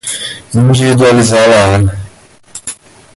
individualizá-la-á